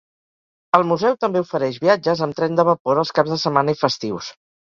El museu també ofereix viatges amb tren de vapor els caps de setmana i festius.